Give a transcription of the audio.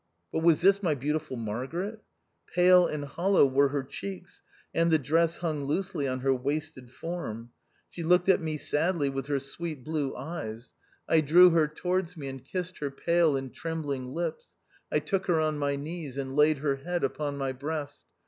But was this my beautiful Margaret ? Pale and hollow were her cheeks, and the dress hung loosely on her wasted form. She looked at me sadly with her sweet blue 1 68 THE OUTCAST. eyes. I drew her towards me, and kissed her pale and trembling iips. I took her on my knees, and laid her head upon my breast.